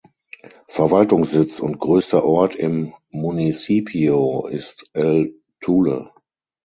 Verwaltungssitz und größter Ort im Municipio ist El Tule.